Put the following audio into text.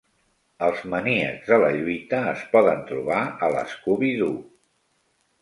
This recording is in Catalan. Els maníacs de la lluita es poden trobar al Scooby-Doo!